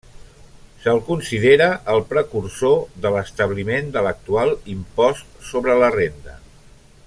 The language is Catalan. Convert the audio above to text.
Se'l considera el precursor de l'establiment de l'actual impost sobre la renda.